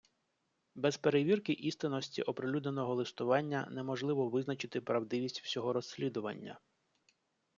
Без перевірки істинності оприлюдненого листування неможливо визначити правдивість всього розслідування.